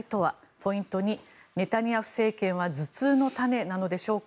ポイント２、ネタニヤフ政権は頭痛の種なのでしょうか